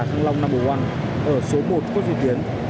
thăng long no một ở số một khuất duy tiến